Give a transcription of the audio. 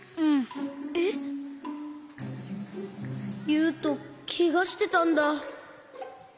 ゆうとけがしてたんだ。